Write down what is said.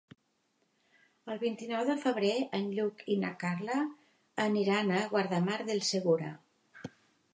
El vint-i-nou de febrer en Lluc i na Carla aniran a Guardamar del Segura.